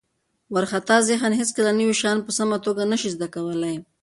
وارخطا ذهن هیڅکله نوي شیان په سمه توګه نه شي زده کولی.